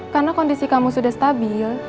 karena kondisi kamu sudah stabil